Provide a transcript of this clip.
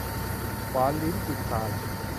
หวานลิ้นกินตาย